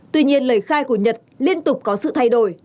tuy nhiên lời khai của nhật liên tục có sự thay đổi